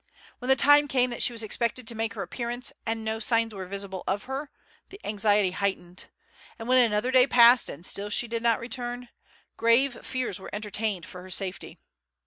When the time came that she was expected to make her appearance, and no signs were visible of her, the anxiety heightened; and when another day passed, and still she did not return, grave fears were entertained for her safety.